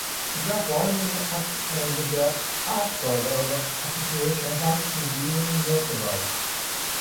The founding act and the articles of association have to be notarized.